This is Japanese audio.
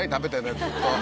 ずっと。